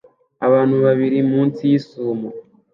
Abantu babiri munsi yisumo